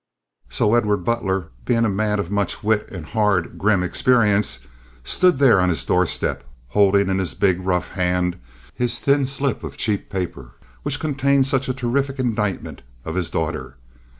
So Edward Butler, being a man of much wit and hard, grim experience, stood there on his doorstep holding in his big, rough hand his thin slip of cheap paper which contained such a terrific indictment of his daughter.